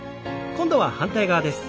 今度は反対側です。